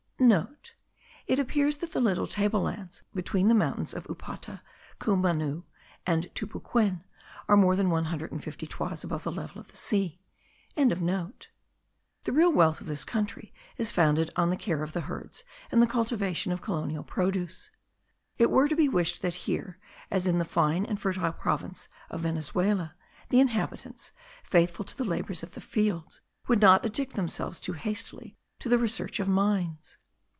(* It appears that the little table lands between the mountains of Upata, Cumanu, and Tupuquen, are more than one hundred and fifty toises above the level of the sea.) The real wealth of this country is founded on the care of the herds and the cultivation of colonial produce. It were to be wished that here, as in the fine and fertile province of Venezuela, the inhabitants, faithful to the labours of the fields, would not addict themselves too hastily to the research of mines.